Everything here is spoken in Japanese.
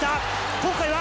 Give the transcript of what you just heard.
今回は？